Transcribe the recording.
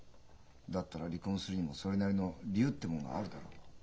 だったら離婚するにもそれなりの理由ってもんがあるだろう？